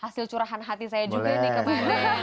hasil curahan hati saya juga nih kepada